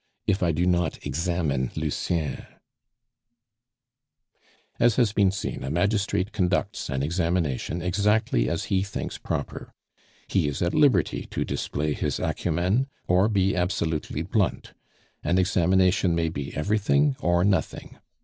if I do not examine Lucien " As has been seen, a magistrate conducts an examination exactly as he thinks proper. He is at liberty to display his acumen or be absolutely blunt. An examination may be everything or nothing.